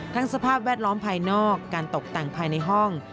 สภาพแวดล้อมภายนอกการตกแต่งภายในห้อง